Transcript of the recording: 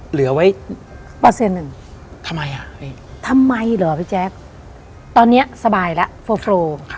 เหลือไว้ทำไมอ่ะพี่แจ๊กตอนนี้สบายแล้วโฟร์